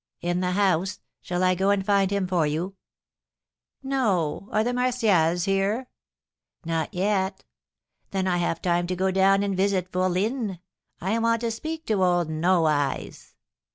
"In the house. Shall I go and find him for you?" "No; are the Martials here?" "Not yet." "Then I have time to go down and visit fourline. I want to speak to old No Eyes."